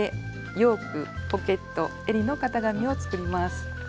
ヨークポケットえりの型紙を作ります。